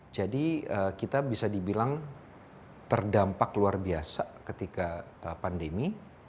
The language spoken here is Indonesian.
jadi kita bisa dibilang terdampak luar biasa ketika pandemi